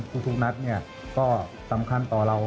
ทุกนัดก็สำคัญต่อเรา